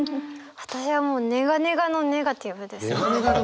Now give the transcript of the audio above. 私はもうネガネガのネガティブです。